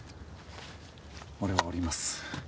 俺は降ります。